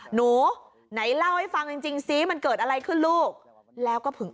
หนูไหนเล่าให้ฟังจริงจริงซิมันเกิดอะไรขึ้นลูกแล้วก็ถึง